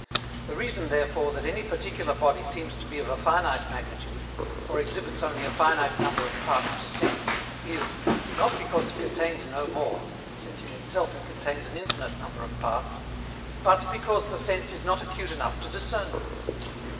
The reason therefore that any particular body seems to be of a finite magnitude, or exhibits only a finite number of parts to sense, is, not because it contains no more, since in itself it contains an infinite number of parts, BUT BECAUSE THE SENSE IS NOT ACUTE ENOUGH TO DISCERN THEM.